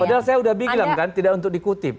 padahal saya sudah bilang kan tidak untuk dikutip